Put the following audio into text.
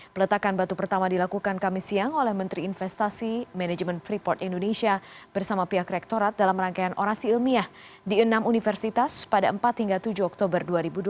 peletakan batu pertama dilakukan kami siang oleh menteri investasi manajemen freeport indonesia bersama pihak rektorat dalam rangkaian orasi ilmiah di enam universitas pada empat hingga tujuh oktober dua ribu dua puluh